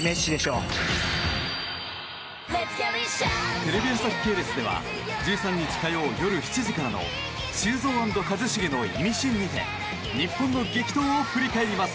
テレビ朝日系列では１３日、火曜夜７時からの「修造＆一茂のイミシン」にて日本の激闘を振り返ります。